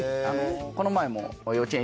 この前も。